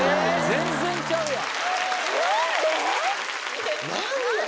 全然ちゃうやん。